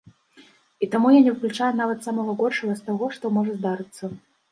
І таму я не выключаю нават самага горшага з таго, што можа здарыцца.